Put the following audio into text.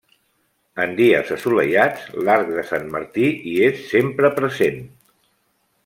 En dies assolellats, l'arc de Sant Martí hi és sempre present.